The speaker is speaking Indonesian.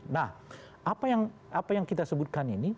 nah apa yang kita sebutkan ini